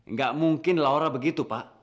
nggak mungkin laura begitu pak